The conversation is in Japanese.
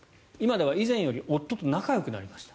以前より夫と仲よくなりました。